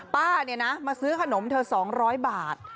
ป้าเนี่ยนะมาซื้อขนมเธอ๒๐๐บาท